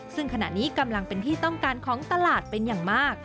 ซึ่งขณะนี้กำลังเป็นที่ต้องการของตลาดเป็นอย่างมาก